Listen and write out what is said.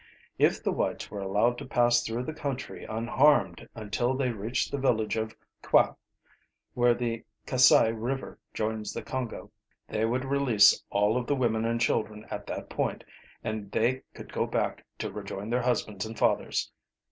If the whites were allowed to pass through the country unharmed until they, reached the village of Kwa, where the Kassai River joins the Congo, they would release all of the women and children at that point and they could go back to rejoin their husbands and fathers.